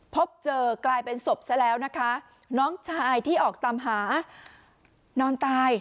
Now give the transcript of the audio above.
พบเจอกลายเป็นศพซะแล้วนะคะน้องชายที่ออกตามหานอนตาย